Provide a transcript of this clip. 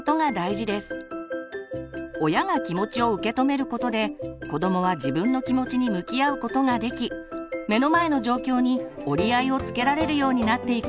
親が気持ちを受け止めることで子どもは自分の気持ちに向き合うことができ目の前の状況に折り合いをつけられるようになっていくそうです。